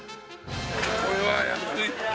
これは安い！